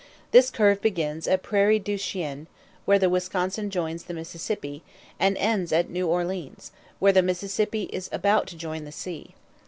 This curve begins at Prairie du Chien, where the Wisconsin joins the Mississippi, and ends at New Orleans, where the Mississippi is about to join the sea.